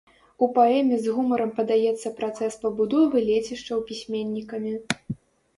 У паэме з гумарам падаецца працэс пабудовы лецішчаў пісьменнікамі.